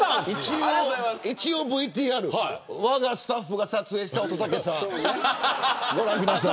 一応ＶＴＲわがスタッフが撮影した乙武さんご覧ください。